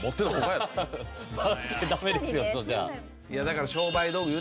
バスケダメですよそれじゃあ。